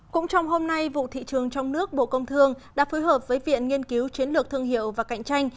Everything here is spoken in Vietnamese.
cũng trong hôm nay vụ thị trường trong nước bộ công thương đã phối hợp với viện nghiên cứu chiến lược thương hiệu và cạnh tranh